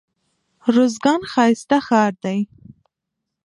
روزګان ښايسته ښار دئ.